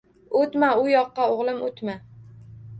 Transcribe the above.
O‘tma u yoqqa o‘g‘lim o‘tma!